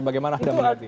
bagaimana anda melihat ini